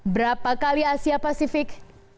berapa kali asia pasifik